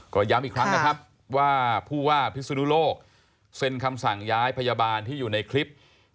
ก็ย้ำอีกครั้งนะครับว่าผู้ว่าพิศนุโลกเซ็นคำสั่งย้ายพยาบาลที่อยู่ในคลิป